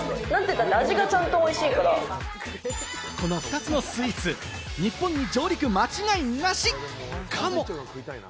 この２つのスイーツ、日本に上陸間違いなし、かも？